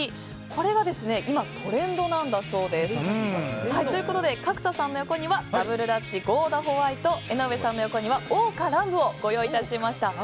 これが今トレンドなんだそうです。ということで角田さんの横にはダブルダッチゴーダホワイト江上さんの横には桜花乱舞をご用意致しました。